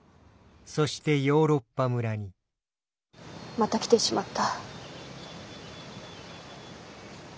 また来てしまった。